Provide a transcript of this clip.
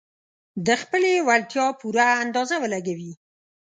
د خپلې وړتيا پوره اندازه ولګوي.